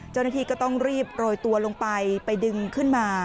เจ้าหน้าที่ก็ต้องรีบโรยตัวลงไปไปดึงขึ้นมา